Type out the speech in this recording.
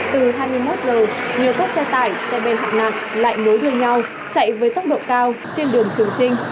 từ hai mươi một h nhiều tốt xe tải xe bên hạng nặng lại nối đưa nhau chạy với tốc độ cao trên đường trường trinh